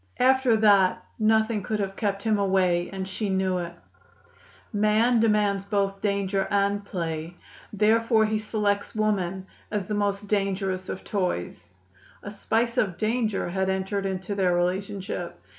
After that nothing could have kept him away, and she knew it. "Man demands both danger and play; therefore he selects woman as the most dangerous of toys." A spice of danger had entered into their relationship.